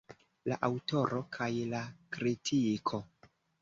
La aŭtoro kaj la kritiko.